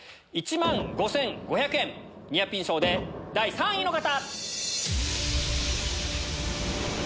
１万５５００円ニアピン賞で第３位の方！